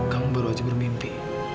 kamu baru aja bermimpi